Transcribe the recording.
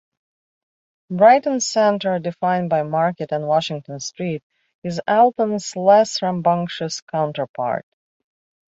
Brighton Center, defined by Market and Washington Streets, is Allston's less rambunctious counterpart.